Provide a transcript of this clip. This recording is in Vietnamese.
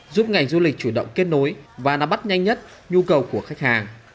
giúp ngành du lịch chủ động kết nối và nắm bắt nhanh nhất nhu cầu của khách hàng